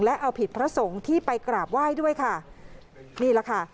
และเอาผิดพระสงฆ์ที่ไปกราบไหว้ด้วยค่ะนี่แหละค่ะ